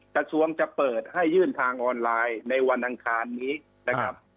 กระทรวงจะเปิดให้ยื่นทางออนไลน์ในวันอังคารนี้นะครับ